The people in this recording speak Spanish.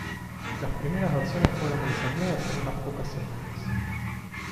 Las primeras versiones fueron ensambladas en unas pocas semanas.